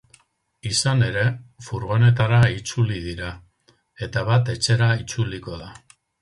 Izan ere, furgonetara itzuli dira, eta bat etxera itzuliko da.